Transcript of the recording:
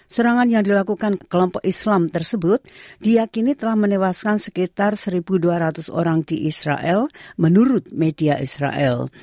serangan yang dilakukan kelompok islam tersebut diakini telah menewaskan sekitar satu dua ratus orang di israel menurut media israel